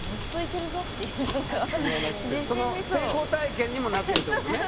成功体験にもなってるってことね。